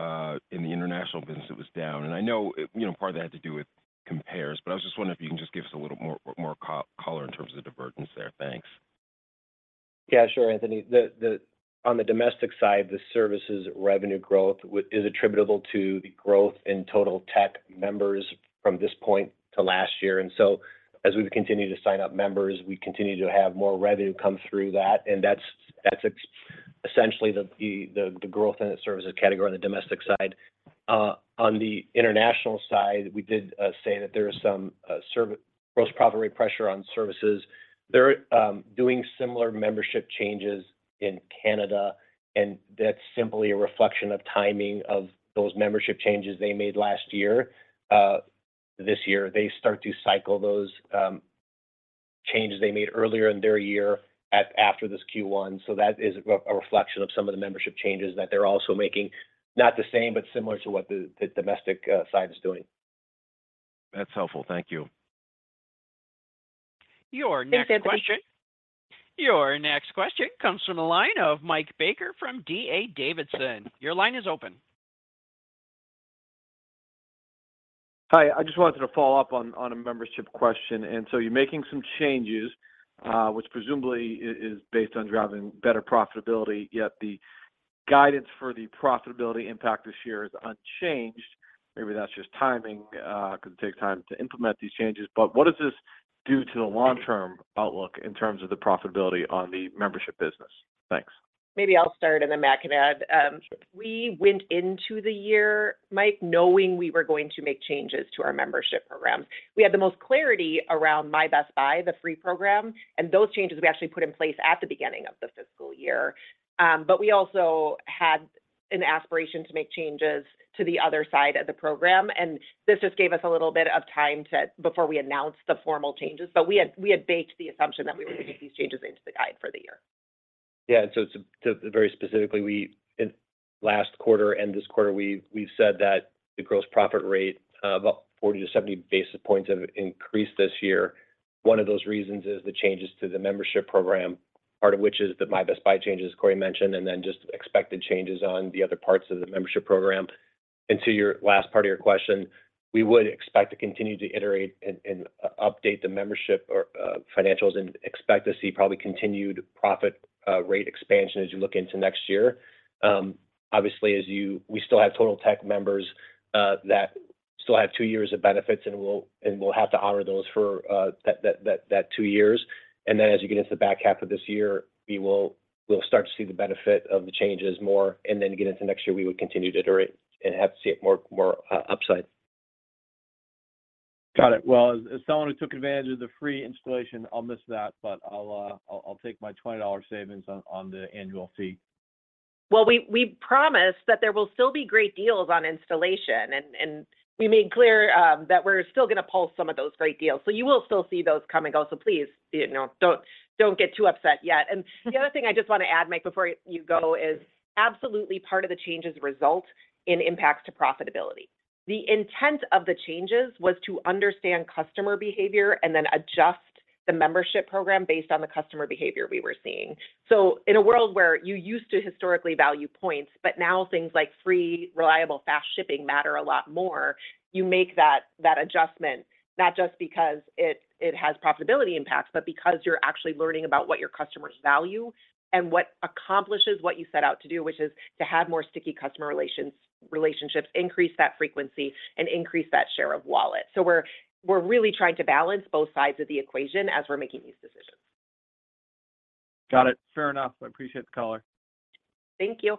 [SPEAKER 8] international business, it was down. I know, you know, part of that had to do with compares, but I was just wondering if you can just give us a little more color in terms of the divergence there. Thanks.
[SPEAKER 4] Yeah, sure, Anthony. On the domestic side, the services revenue growth is attributable to the growth in Totaltech members from this point to last year. As we've continued to sign up members, we continue to have more revenue come through that, and that's essentially the growth in the services category on the domestic side. On the international side, we did say that there is some gross profit rate pressure on services. They're doing similar membership changes in Canada, That's simply a reflection of timing of those membership changes they made last year. This year, they start to cycle those changes they made earlier in their year at after this Q1. That is a reflection of some of the membership changes that they're also making. Not the same, but similar to what the domestic side is doing.
[SPEAKER 8] That's helpful. Thank you.
[SPEAKER 1] Your next question.
[SPEAKER 3] Thanks, Anthony.
[SPEAKER 1] Your next question comes from the line of Mike Baker from D.A. Davidson. Your line is open.
[SPEAKER 9] Hi. I just wanted to follow up on a membership question. You're making some changes, which presumably is based on driving better profitability, yet the guidance for the profitability impact this year is unchanged. Maybe that's just timing, because it takes time to implement these changes, but what does this do to the long-term outlook in terms of the profitability on the membership business? Thanks.
[SPEAKER 3] Maybe I'll start, and then Matt can add. We went into the year, Mike, knowing we were going to make changes to our membership programs. We had the most clarity around My Best Buy, the free program, and those changes we actually put in place at the beginning of the fiscal year. We also had an aspiration to make changes to the other side of the program, and this just gave us a little bit of time before we announced the formal changes. We had baked the assumption that we would make these changes into the guide for the year.
[SPEAKER 4] Yeah, so to very specifically, we, in last quarter and this quarter, we've said that the gross profit rate, about 40-70 basis points have increased this year. One of those reasons is the changes to the membership program, part of which is the My Best Buy changes, Corie mentioned, and then just expected changes on the other parts of the membership program. To your last part of your question, we would expect to continue to iterate and update the membership or financials and expect to see probably continued profit rate expansion as you look into next year. Obviously, as we still have Totaltech members that still have two years of benefits, and we'll have to honor those for that two years. As you get into the back half of this year, we'll start to see the benefit of the changes more. Get into next year, we would continue to iterate and have to see it more upside.
[SPEAKER 9] Got it. Well, as someone who took advantage of the free installation, I'll miss that, but I'll take my $20 savings on the annual fee.
[SPEAKER 3] We promised that there will still be great deals on installation, and we made clear that we're still gonna pull some of those great deals. You will still see those come and go. Please, you know, don't get too upset yet. The other thing I just wanna add, Mike, before you go is absolutely part of the changes result in impacts to profitability. The intent of the changes was to understand customer behavior and then adjust the membership program based on the customer behavior we were seeing. In a world where you used to historically value points, now things like free, reliable, fast shipping matter a lot more, you make that adjustment, not just because it has profitability impacts, because you're actually learning about what your customers value and what accomplishes what you set out to do, which is to have more sticky customer relationships, increase that frequency, and increase that share of wallet. We're really trying to balance both sides of the equation as we're making these decisions.
[SPEAKER 9] Got it. Fair enough. I appreciate the call.
[SPEAKER 3] Thank you.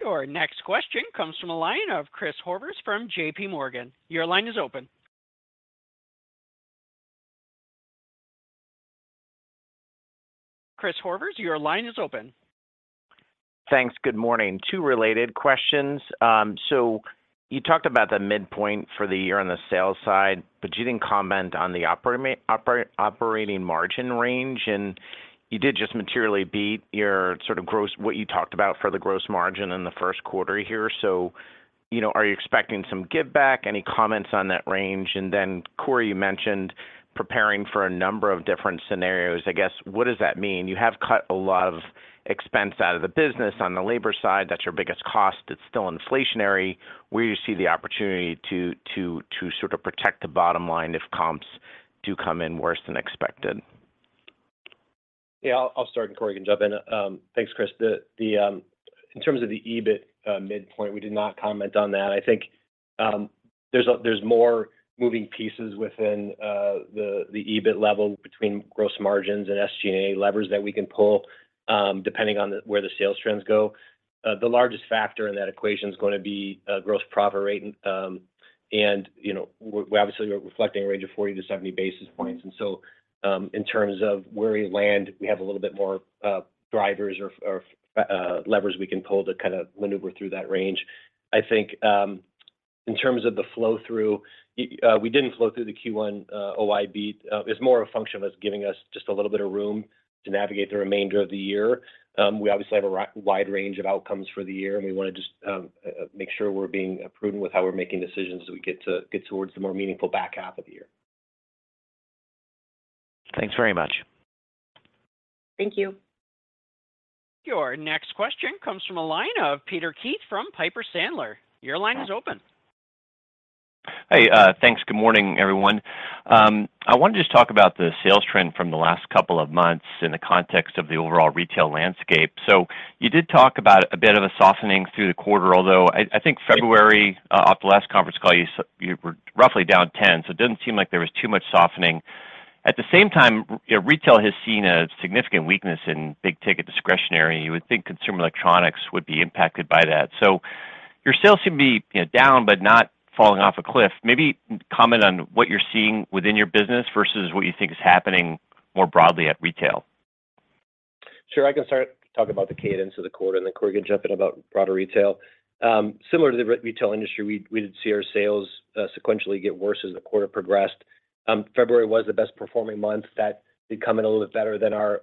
[SPEAKER 1] Your next question comes from a line of Christopher Horvers from JPMorgan. Your line is open. Christopher Horvers, your line is open.
[SPEAKER 10] Thanks. Good morning. Two related questions. You talked about the midpoint for the year on the sales side, but you didn't comment on the operating margin range, and you did just materially beat your sort of what you talked about for the gross margin in the first quarter here. You know, are you expecting some giveback? Any comments on that range? Corie, you mentioned preparing for a number of different scenarios. I guess, what does that mean? You have cut a lot of expense out of the business on the labor side. That's your biggest cost. It's still inflationary. Where do you see the opportunity to sort of protect the bottom line if comps do come in worse than expected?
[SPEAKER 4] Yeah, I'll start. Corie can jump in. Thanks, Chris. In terms of the EBIT midpoint, we did not comment on that. I think there's more moving pieces within the EBIT level between gross margins and SG&A levers that we can pull depending on where the sales trends go. The largest factor in that equation is gonna be gross profit rate. You know, we obviously are reflecting a range of 40-70 basis points. In terms of where we land, we have a little bit more drivers or levers we can pull to kind of maneuver through that range. I think in terms of the flow-through, we didn't flow through the Q1 OIB. It's more a function of us giving us just a little bit of room to navigate the remainder of the year. We obviously have a wide range of outcomes for the year, and we wanna just make sure we're being prudent with how we're making decisions as we get towards the more meaningful back half of the year.
[SPEAKER 10] Thanks very much.
[SPEAKER 3] Thank you.
[SPEAKER 1] Your next question comes from a line of Peter Keith from Piper Sandler. Your line is open.
[SPEAKER 11] Hey, thanks. Good morning, everyone. I wanted to just talk about the sales trend from the last couple of months in the context of the overall retail landscape. You did talk about a bit of a softening through the quarter, although I think February, off the last conference call, you were roughly down ten, so it didn't seem like there was too much softening. At the same time, retail has seen a significant weakness in big ticket discretionary. You would think consumer electronics would be impacted by that. Your sales seem to be, you know, down, but not falling off a cliff. Maybe comment on what you're seeing within your business versus what you think is happening more broadly at retail?
[SPEAKER 4] Sure, I can start talking about the cadence of the quarter, and then Corie can jump in about broader retail. Similar to the retail industry, we did see our sales sequentially get worse as the quarter progressed. February was the best performing month. That did come in a little bit better than our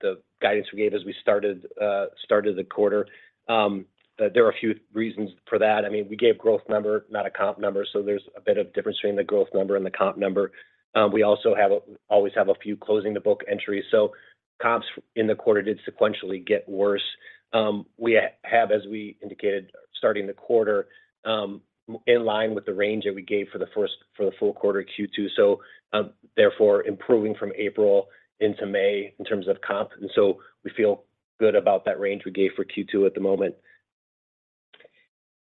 [SPEAKER 4] the guidance we gave as we started the quarter. There are a few reasons for that. I mean, we gave growth number, not a comp number, so there's a bit of difference between the growth number and the comp number. We also always have a few closing the book entries, so comps in the quarter did sequentially get worse. We have, as we indicated, starting the quarter, in line with the range that we gave for the full quarter Q2, therefore, improving from April into May in terms of comp. We feel good about that range we gave for Q2 at the moment.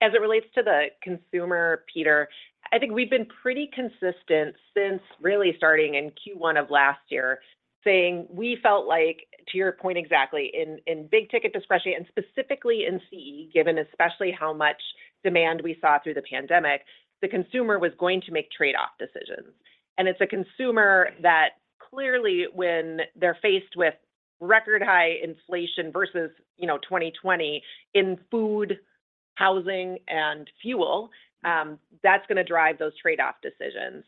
[SPEAKER 3] As it relates to the consumer, Peter, I think we've been pretty consistent since really starting in Q1 of last year, saying we felt like, to your point exactly, in big ticket especially, and specifically in CE, given especially how much demand we saw through the pandemic, the consumer was going to make trade-off decisions. It's a consumer that clearly, when they're faced with record high inflation versus, you know, 2020, in food, housing, and fuel, that's gonna drive those trade-off decisions.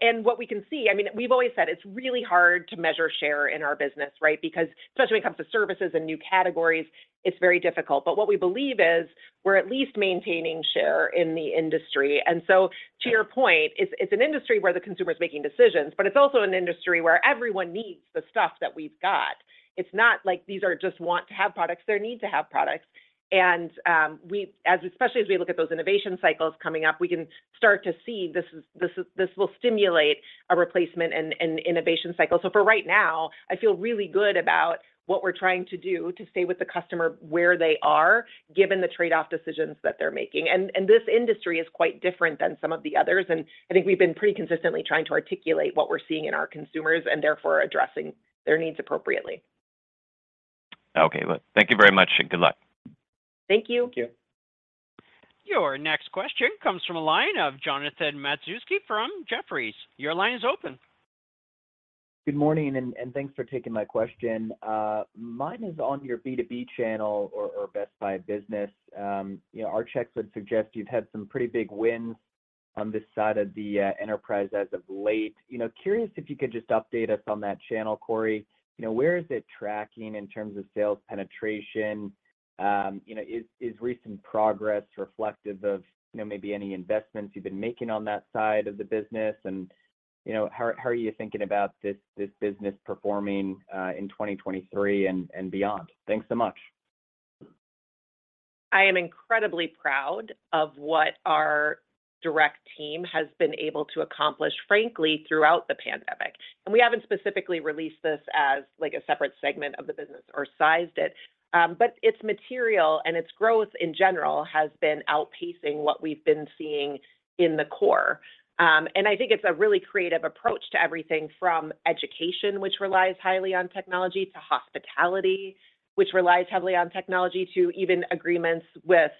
[SPEAKER 3] And what we can see... I mean, we've always said it's really hard to measure share in our business, right? Especially when it comes to services and new categories, it's very difficult. What we believe is we're at least maintaining share in the industry. To your point, it's an industry where the consumer is making decisions, but it's also an industry where everyone needs the stuff that we've got. It's not like these are just want-to-have products, they're need-to-have products. We, as, especially as we look at those innovation cycles coming up, we can start to see this will stimulate a replacement and innovation cycle. For right now, I feel really good about what we're trying to do to stay with the customer where they are, given the trade-off decisions that they're making. This industry is quite different than some of the others, and I think we've been pretty consistently trying to articulate what we're seeing in our consumers and therefore addressing their needs appropriately.
[SPEAKER 11] Okay. Well, thank you very much, and good luck.
[SPEAKER 3] Thank you.
[SPEAKER 4] Thank you.
[SPEAKER 1] Your next question comes from a line of Jonathan Matuszewski from Jefferies. Your line is open.
[SPEAKER 12] d thanks for taking my question. Mine is on your B2B channel or Best Buy Business. You know, our checks would suggest you've had some pretty big wins on this side of the enterprise as of late. You know, curious if you could just update us on that channel, Corie Barry. You know, where is it tracking in terms of sales penetration? You know, is recent progress reflective of, you know, maybe any investments you've been making on that side of the business? You know, how are you thinking about this business performing in 2023 and beyond? Thanks so much.
[SPEAKER 3] I am incredibly proud of what our direct team has been able to accomplish, frankly, throughout the pandemic. We haven't specifically released this as, like, a separate segment of the business or sized it, but its material and its growth in general has been outpacing what we've been seeing in the core. I think it's a really creative approach to everything from education, which relies highly on technology, to hospitality, which relies heavily on technology, to even agreements with,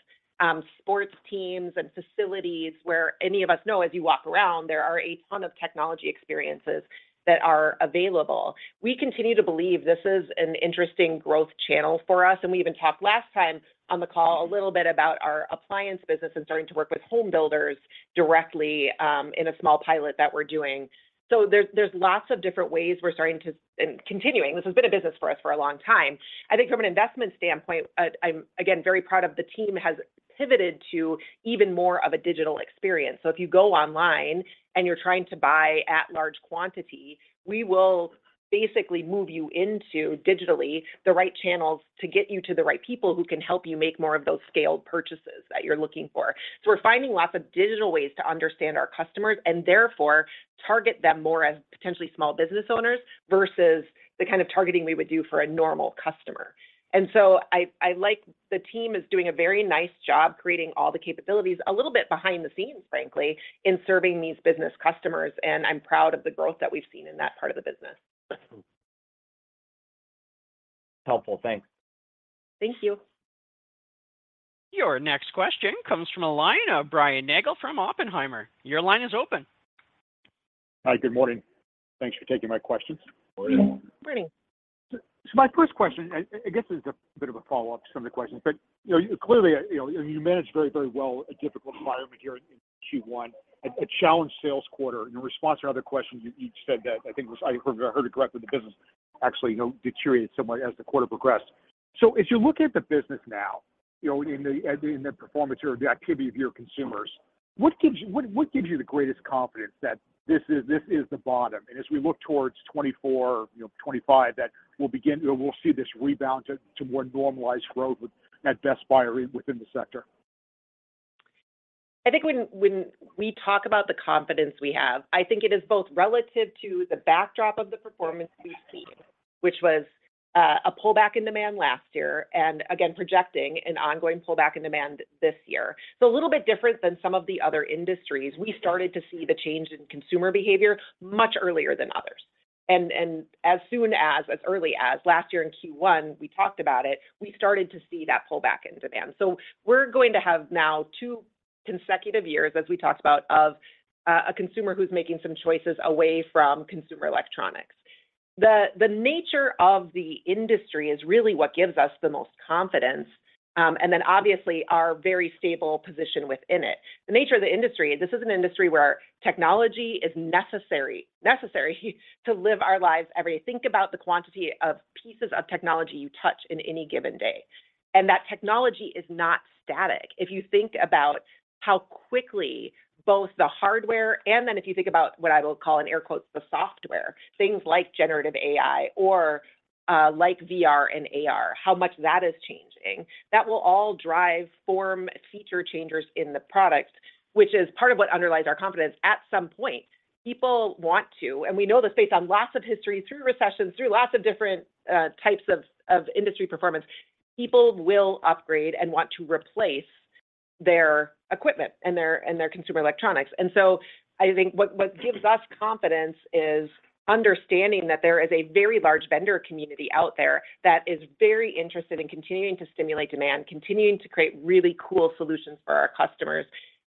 [SPEAKER 3] sports teams and facilities, where any of us know, as you walk around, there are a ton of technology experiences that are available. We continue to believe this is an interesting growth channel for us, and we even talked last time on the call a little bit about our appliance business and starting to work with home builders directly in a small pilot that we're doing. There's lots of different ways we're starting to, and continuing, this has been a business for us for a long time. I think from an investment standpoint, I'm again, very proud of the team, has pivoted to even more of a digital experience. If you go online and you're trying to buy at large quantity, we will basically move you into digitally, the right channels to get you to the right people who can help you make more of those scaled purchases that you're looking for. We're finding lots of digital ways to understand our customers, and therefore target them more as potentially small business owners versus the kind of targeting we would do for a normal customer. I like the team is doing a very nice job creating all the capabilities, a little bit behind the scenes, frankly, in serving these business customers, and I'm proud of the growth that we've seen in that part of the business....
[SPEAKER 12] helpful. Thanks.
[SPEAKER 3] Thank you.
[SPEAKER 1] Your next question comes from the line of Brian Nagel from Oppenheimer. Your line is open.
[SPEAKER 13] Hi, good morning. Thanks for taking my questions.
[SPEAKER 14] Morning.
[SPEAKER 3] Morning.
[SPEAKER 13] My first question, I guess this is a bit of a follow-up to some of the questions, but, you know, clearly, you know, you managed very, very well a difficult environment here in Q1, a challenged sales quarter. In response to other questions, you each said that, I think it was, I heard it correctly, the business actually, you know, deteriorated somewhat as the quarter progressed. As you look at the business now, you know, in the performance or the activity of your consumers, what gives you the greatest confidence that this is the bottom? As we look towards 2024, you know, 2025, that we'll see this rebound to more normalized growth with that Best Buy within the sector.
[SPEAKER 3] I think when we talk about the confidence we have, I think it is both relative to the backdrop of the performance we've seen, which was a pullback in demand last year, and again, projecting an ongoing pullback in demand this year. A little bit different than some of the other industries. We started to see the change in consumer behavior much earlier than others, and as soon as early as last year in Q1, we talked about it, we started to see that pullback in demand. We're going to have now two consecutive years, as we talked about, of a consumer who's making some choices away from consumer electronics. The nature of the industry is really what gives us the most confidence, and then obviously, our very stable position within it. The nature of the industry, this is an industry where technology is necessary to live our lives every day. Think about the quantity of pieces of technology you touch in any given day. That technology is not static. If you think about how quickly both the hardware, and then if you think about what I will call in air quotes, "the software," things like generative AI or, like VR and AR, how much that is changing, that will all drive form feature changes in the product, which is part of what underlies our confidence. At some point, people want to, and we know this based on lots of history, through recessions, through lots of different types of industry performance, people will upgrade and want to replace their equipment and their consumer electronics. I think what gives us confidence is understanding that there is a very large vendor community out there that is very interested in continuing to stimulate demand, continuing to create really cool solutions for our customers,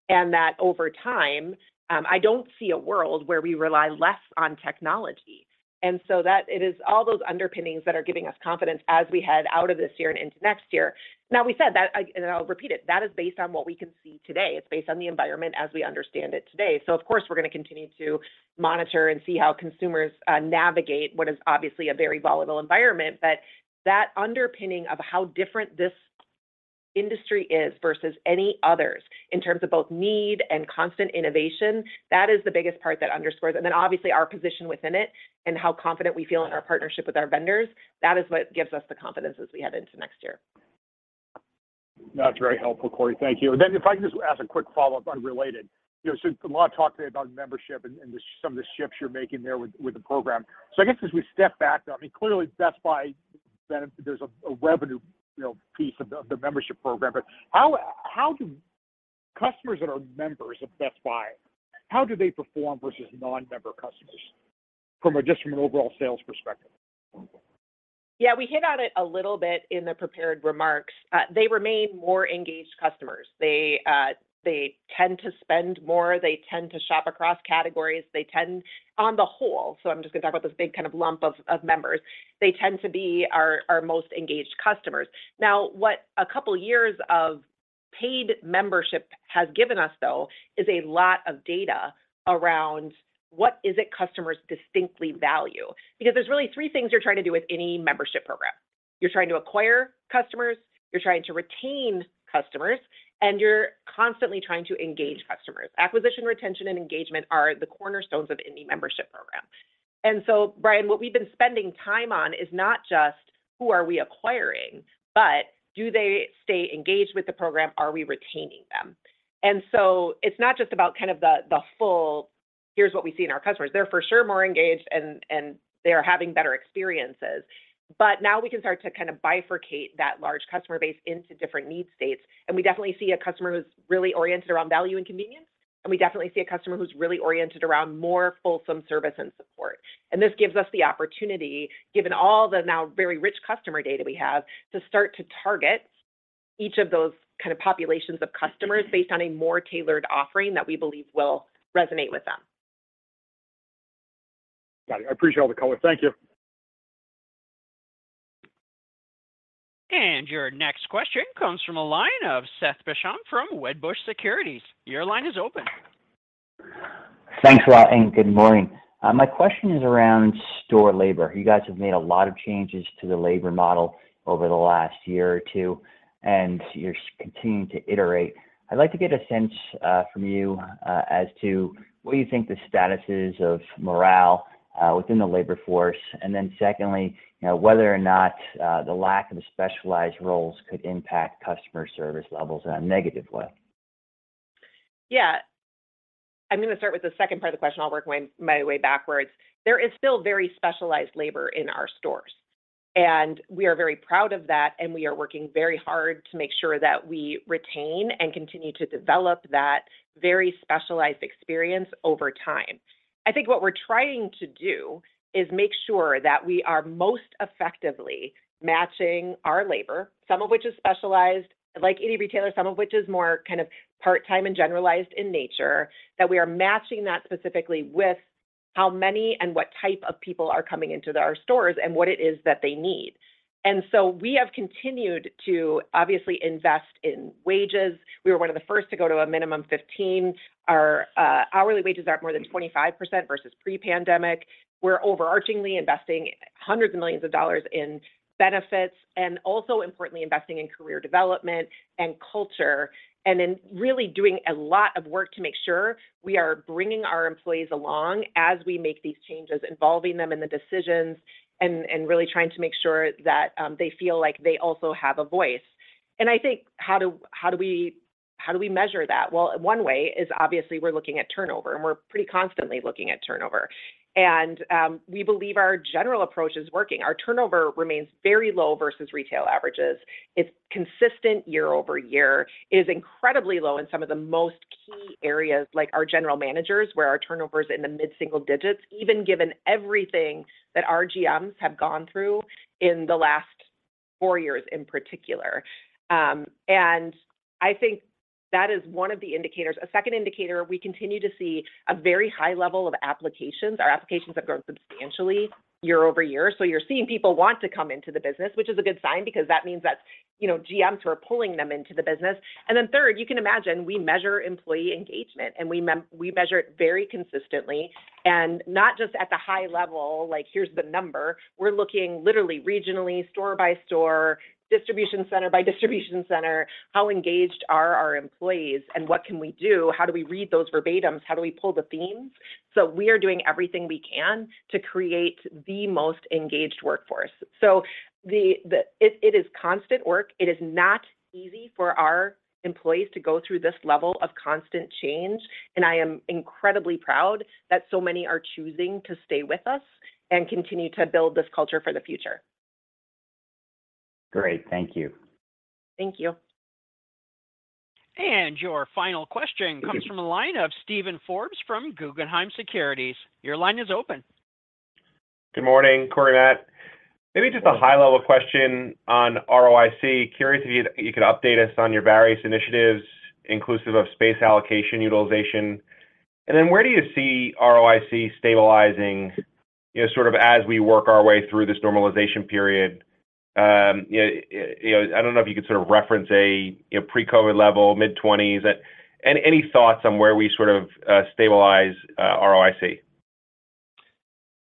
[SPEAKER 3] and that over time, I don't see a world where we rely less on technology. That, it is all those underpinnings that are giving us confidence as we head out of this year and into next year. Now, we said that, I, and I'll repeat it, that is based on what we can see today. It's based on the environment as we understand it today. Of course, we're gonna continue to monitor and see how consumers navigate what is obviously a very volatile environment. That underpinning of how different this industry is versus any others in terms of both need and constant innovation, that is the biggest part that underscores, and then obviously, our position within it and how confident we feel in our partnership with our vendors, that is what gives us the confidence as we head into next year.
[SPEAKER 13] That's very helpful, Corie. Thank you. If I can just ask a quick follow-up unrelated. You know, a lot of talk today about membership and the some of the shifts you're making there with the program. I guess as we step back, I mean, clearly, Best Buy, then there's a revenue, you know, piece of the membership program, but how do customers that are members of Best Buy, how do they perform versus non-member customers from a, just from an overall sales perspective?
[SPEAKER 3] Yeah, we hit on it a little bit in the prepared remarks. They remain more engaged customers. They, they tend to spend more, they tend to shop across categories, they tend on the whole, so I'm just gonna talk about this big kind of lump of members. They tend to be our most engaged customers. Now, what a couple of years of paid membership has given us, though, is a lot of data around what is it customers distinctly value. Because there's really three things you're trying to do with any membership program. You're trying to acquire customers, you're trying to retain customers, and you're constantly trying to engage customers. Acquisition, retention, and engagement are the cornerstones of any membership program. Brian, what we've been spending time on is not just who are we acquiring, but do they stay engaged with the program? Are we retaining them? It's not just about kind of the full, here's what we see in our customers. They're for sure more engaged and they are having better experiences. Now we can start to kind of bifurcate that large customer base into different need states, and we definitely see a customer who's really oriented around value and convenience, and we definitely see a customer who's really oriented around more fulsome service and support. This gives us the opportunity, given all the now very rich customer data we have, to start to target each of those kind of populations of customers based on a more tailored offering that we believe will resonate with them.
[SPEAKER 13] Got it. I appreciate all the color. Thank you.
[SPEAKER 1] Your next question comes from a line of Seth Basham from Wedbush Securities. Your line is open.
[SPEAKER 14] Thanks, Ryan, good morning. My question is around store labor. You guys have made a lot of changes to the labor model over the last year or two, and you're continuing to iterate. I'd like to get a sense from you as to what you think the status is of morale within the labor force, and then secondly, you know, whether or not the lack of specialized roles could impact customer service levels in a negative way.
[SPEAKER 3] Yeah, I'm gonna start with the second part of the question. I'll work my way backwards. There is still very specialized labor in our stores, and we are very proud of that, and we are working very hard to make sure that we retain and continue to develop that very specialized experience over time. I think what we're trying to do is make sure that we are most effectively matching our labor, some of which is specialized, like any retailer, some of which is more kind of part-time and generalized in nature, that we are matching that specifically with how many and what type of people are coming into our stores and what it is that they need. We have continued to obviously invest in wages. We were one of the first to go to a minimum 15. Our hourly wages are up more than 25% versus pre-pandemic. We're overarchingly investing hundreds of millions of dollars in benefits, and also importantly, investing in career development and culture, and in really doing a lot of work to make sure we are bringing our employees along as we make these changes, involving them in the decisions, and really trying to make sure that they feel like they also have a voice. I think, how do we measure that? Well, one way is, obviously, we're looking at turnover, and we're pretty constantly looking at turnover. We believe our general approach is working. Our turnover remains very low versus retail averages. It's consistent year-over-year. It is incredibly low in some of the most key areas, like our general managers, where our turnover is in the mid-single digits, even given everything that our GMs have gone through in the last four years in particular. I think that is one of the indicators. A second indicator, we continue to see a very high level of applications. Our applications have grown substantially year-over-year, so you're seeing people want to come into the business, which is a good sign, because that means that, you know, GMs are pulling them into the business. Then third, you can imagine, we measure employee engagement, and we measure it very consistently, and not just at the high level, like, here's the number. We're looking literally regionally, store by store, distribution center by distribution center, how engaged are our employees and what can we do? How do we read those verbatims? How do we pull the themes? We are doing everything we can to create the most engaged workforce. It is constant work. It is not easy for our employees to go through this level of constant change, and I am incredibly proud that so many are choosing to stay with us and continue to build this culture for the future.
[SPEAKER 4] Great. Thank you.
[SPEAKER 3] Thank you.
[SPEAKER 1] Your final question comes from the line of Steven Forbes from Guggenheim Securities. Your line is open.
[SPEAKER 15] Good morning, Corie, Matt. Maybe just a high-level question on ROIC. Curious if you could update us on your various initiatives, inclusive of space allocation, utilization, and then where do you see ROIC stabilizing, you know, sort of, as we work our way through this normalization period? You know, I don't know if you could sort of reference a, you know, pre-COVID level, mid-twenties, and any thoughts on where we sort of stabilize ROIC?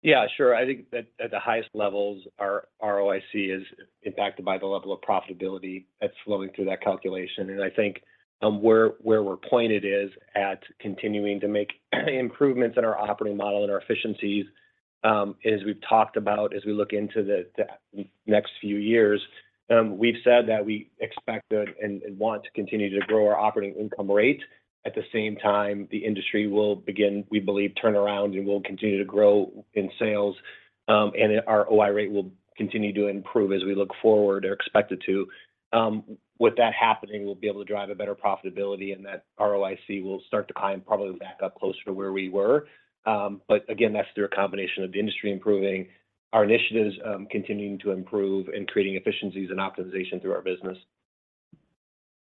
[SPEAKER 4] Yeah, sure. I think at the highest levels, our ROIC is impacted by the level of profitability that's flowing through that calculation, and I think, where we're pointed is at continuing to make improvements in our operating model and our efficiencies. As we've talked about, as we look into the next few years, we've said that we expect and want to continue to grow our operating income rate. At the same time, the industry will begin, we believe, turn around and will continue to grow in sales, and our OI rate will continue to improve as we look forward or expect it to. With that happening, we'll be able to drive a better profitability, and that ROIC will start to climb, probably back up closer to where we were. Again, that's through a combination of the industry improving, our initiatives, continuing to improve, and creating efficiencies and optimization through our business.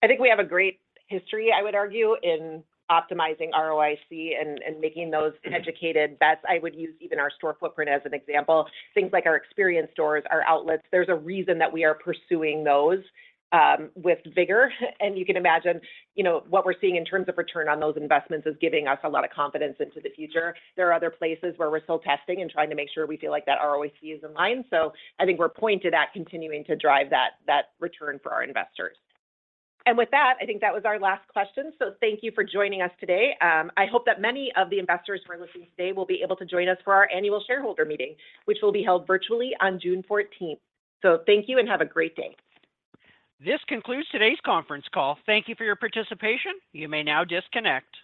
[SPEAKER 3] I think we have a great history, I would argue, in optimizing ROIC and making those educated bets. I would use even our store footprint as an example. Things like our experience stores, our outlets, there's a reason that we are pursuing those with vigor. You can imagine, you know, what we're seeing in terms of return on those investments is giving us a lot of confidence into the future. There are other places where we're still testing and trying to make sure we feel like that ROIC is in line. I think we're pointed at continuing to drive that return for our investors. With that, I think that was our last question. Thank you for joining us today. I hope that many of the investors who are listening today will be able to join us for our annual shareholder meeting, which will be held virtually on June 14th. Thank you and have a great day.
[SPEAKER 1] This concludes today's conference call. Thank you for your participation. You may now disconnect.